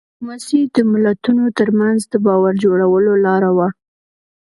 ډيپلوماسي د ملتونو ترمنځ د باور جوړولو لار وه.